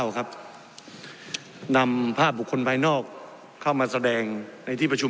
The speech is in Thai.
ครับนำภาพบุคคลภายนอกเข้ามาแสดงในที่ประชุม